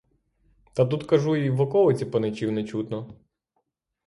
Та тут, — кажу, — і в околиці паничів не чутно.